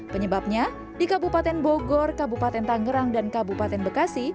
penyebabnya di kabupaten bogor kabupaten tangerang dan kabupaten bekasi